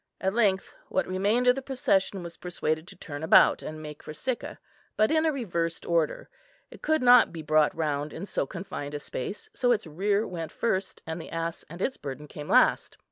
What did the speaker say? At length what remained of the procession was persuaded to turn about and make for Sicca, but in a reversed order. It could not be brought round in so confined a space, so its rear went first and the ass and its burden came last.